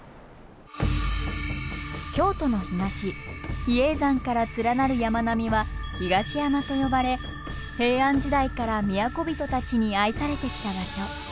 京都の東比叡山から連なる山並みは東山と呼ばれ平安時代から都人たちに愛されてきた場所。